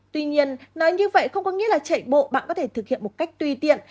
tuy nhiên nói như vậy không có nghĩa là chạy bộ bạn có thể thực hiện một cách tùy tiện